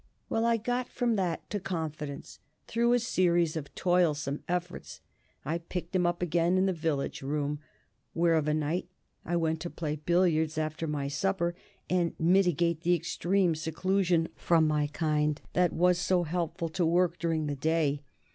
Well, I got from that to confidence through a series of toilsome efforts. I picked him up again in the Village Room, where of a night I went to play billiards after my supper, and mitigate the extreme seclusion from my kind that was so helpful to work during the day.